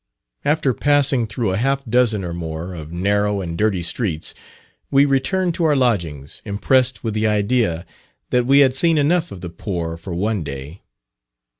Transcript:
After passing through a half dozen, or more, of narrow and dirty streets, we returned to our lodgings, impressed with the idea that we had seen enough of the poor for one day.